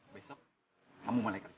besok kamu malaikan